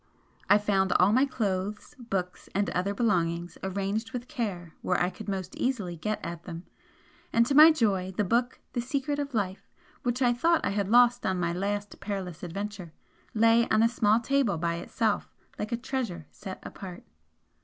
I found all my clothes, books and other belongings arranged with care where I could most easily get at them, and to my joy the book 'The Secret of Life,' which I thought I had lost on my last perilous adventure, lay on a small table by itself like a treasure set apart.